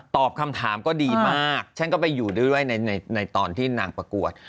ตอบคำถามก็ดีมากฉันก็ไปอยู่ด้วยในตอนที่นางประกวด